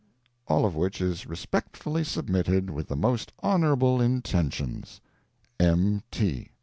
All of which is respectfully submitted, with the most honorable intentions. M.